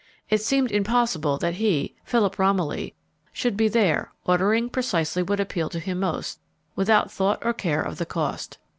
It seemed impossible that he, Philip Romilly, should be there, ordering precisely what appealed to him most, without thought or care of the cost.